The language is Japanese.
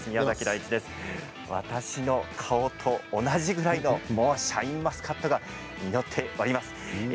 私の顔と同じぐらいのシャインマスカットが実っています。